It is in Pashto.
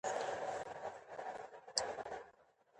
ناول د اندلسي شپانه زلمي کیسه کوي.